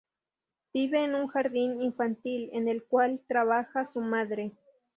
Vive en un Jardín Infantil, en el cual trabaja su madre.